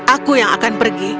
aku yang akan pergi